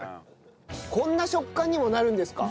こんな食感にもなるんですか？